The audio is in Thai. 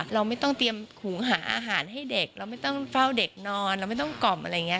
เราไม่ต้องเตรียมถุงหาอาหารให้เด็กเราไม่ต้องเฝ้าเด็กนอนเราไม่ต้องกล่อมอะไรอย่างนี้